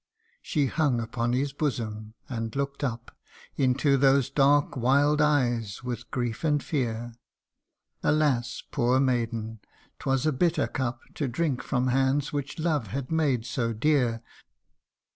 " She hung upon his bosom, and look'd up Into those dark wild eyes with grief and fear. Alas ! poor maiden, 'twas a bitter cup To drink from hands which love had made so dear.